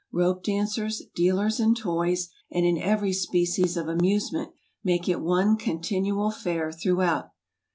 Rope dancers, dealers in toys, and in every species of amusement, make it one con¬ tinual fair throughout.